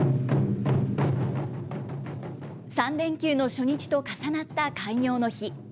３連休の初日と重なった開業の日。